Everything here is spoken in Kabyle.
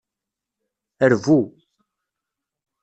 Rbu.